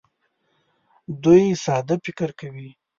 دوی ساده فکر کوي.